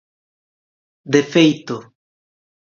De feito.